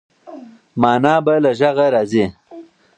مانا به له غږه راځي.